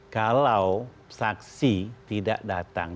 kalau saksi tidak datang